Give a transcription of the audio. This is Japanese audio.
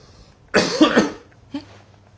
えっ？